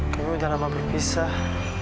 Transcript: kami udah lama berpisah